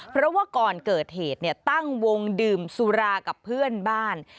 เพราะว่าก่อนเกิดเหตุตั้งวงดื่มสุรากับเพื่อนบ้าน